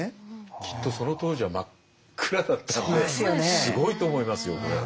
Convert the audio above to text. きっとその当時は真っ暗だったんですごいと思いますよこれ。